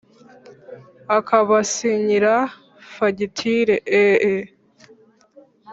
akabasinyira fagitire eee